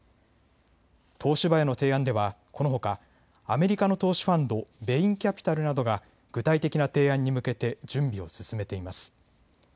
東芝への提案ではこのほかアメリカの投資ファンド、ベインキャピタルなどが具体的な提案に向けて準備を進めています。